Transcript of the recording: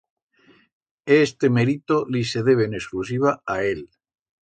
Este merito li se debe en exclusiva a él.